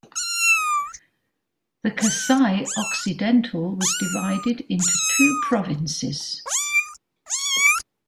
The Kasai-Occidental was divided into two provinces.